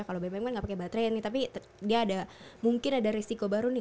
kalau bbm kan nggak pakai baterainya tapi dia ada mungkin ada risiko baru nih